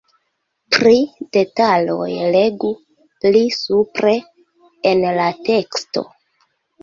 Pri detaloj legu pli supre en la teksto.